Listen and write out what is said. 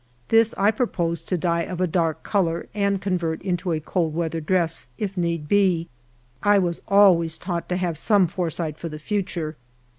This I purpose to d3'e of a dark color, and convert into a cold weather dress, if need be. I was always taught to have some foresight for the future.